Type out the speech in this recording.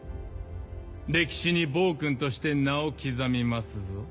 歴史に暴君として名を刻みますぞ？